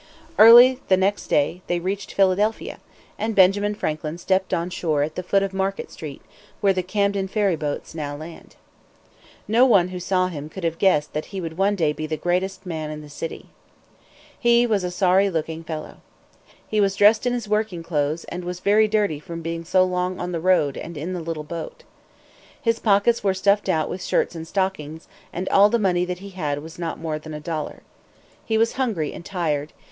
Early the next day they reached Philadelphia, and Benjamin Franklin stepped on shore at the foot of Market street, where the Camden ferry boats now land. No one who saw him could have guessed that he would one day be the greatest man in the city. He was a sorry looking fellow. He was dressed in his working clothes, and was very dirty from being so long on the road and in the little boat. His pockets were stuffed out with shirts and stockings, and all the money that he had was not more than a dollar. He was hungry and tired.